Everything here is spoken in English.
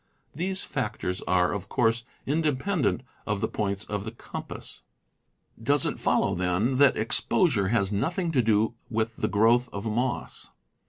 These factors are, of course, independent of the points of the compass. Does it follow, then, that exposure has nothing to do with the growth of moss